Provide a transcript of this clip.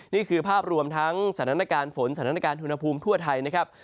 นี่คือภาพรวมทั้งสถานการณ์ฝนสถานการณ์อุณหภูมิทั่วไทยนะครับ